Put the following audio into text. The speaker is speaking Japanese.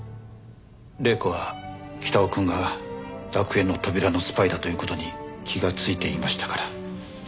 麗子は北尾くんが楽園の扉のスパイだという事に気がついていましたから。